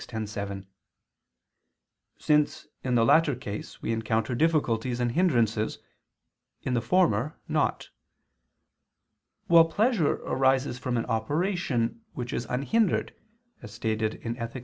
x, 7): since in the latter case we encounter difficulties and hindrances, in the former not; while pleasure arises from an operation which is unhindered, as stated in _Ethic.